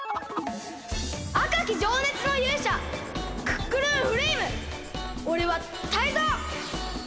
あかきじょうねつのゆうしゃクックルンフレイムおれはタイゾウ！